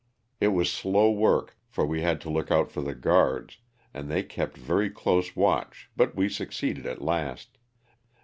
It was slow work for we had to look out for the guards, and they kept very close watch but we succeeded at last.